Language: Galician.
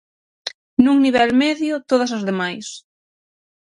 Nun nivel medio, todas as demais.